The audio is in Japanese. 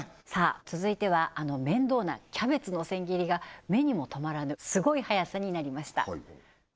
続いてはあの面倒なキャベツの千切りが目にも止まらぬすごい速さになりました